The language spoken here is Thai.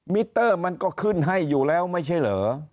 มิเตอร์มันก็ขึ้นให้อยู่แล้วไม่ใช่เหรอ